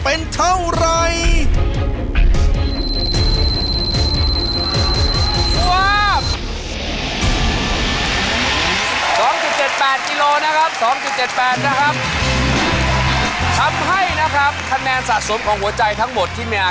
เอ้าสะบัดผ้าซะด้วย